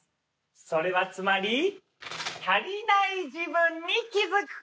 それはつまりたりない自分に気付くこと。